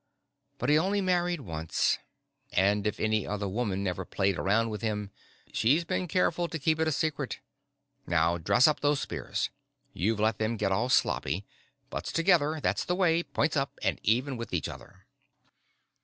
But he only married once. And if any other woman ever played around with him, she's been careful to keep it a secret. Now dress up those spears. You've let them get all sloppy. Butts together, that's the way, points up and even with each other."